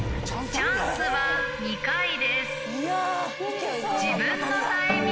チャンスは２回です。